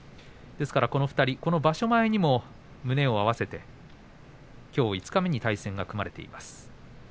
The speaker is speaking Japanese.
この２人場所前にも胸を合わせてきょう五日目に対戦が組まれています。